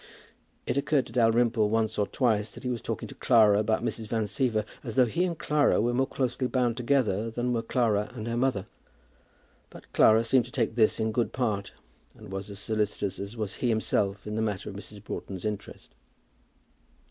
It occurred to Dalrymple once or twice that he was talking to Clara about Mrs. Van Siever as though he and Clara were more closely bound together than were Clara and her mother; but Clara seemed to take this in good part, and was as solicitous as was he himself in the matter of Mrs. Broughton's interest.